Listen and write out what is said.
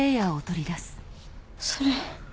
それ。